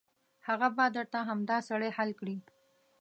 هغه به درته همدا سړی حل کړي.